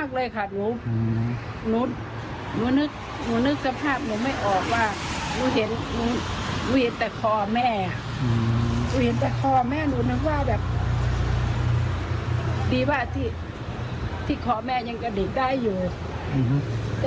บอกเพื่อนบ้านว่าช่วยแม่หมูย์กูช่วยช่วยแม่งหมูย์กูช่วย